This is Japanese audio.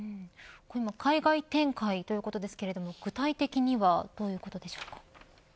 海外展開ということですが具体的にはどういうことでしょうか。